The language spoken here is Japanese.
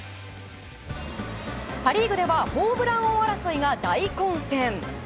パ・リーグではホームラン王争いが大混戦。